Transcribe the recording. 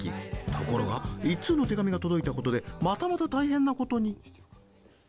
ところが一通の手紙が届いたことでまたまた大変なことに。